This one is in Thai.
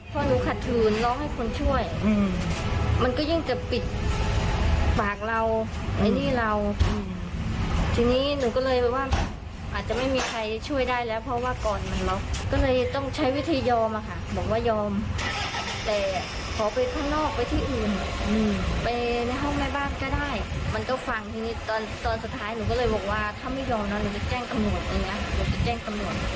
ตอนสุดท้ายหนูก็เลยบอกว่าถ้าไม่ยอมแล้วหนูจะแจ้งกำหนดอย่างเงี้ยหนูจะแจ้งกำหนด